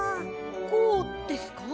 こうですか？